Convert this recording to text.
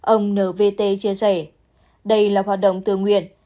ông n v t chia sẻ đây là hoạt động tự nguyện